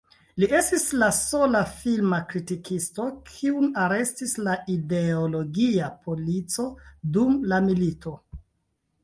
Li estis la sola filma kritikisto, kiun arestis la ideologia polico dum la milito.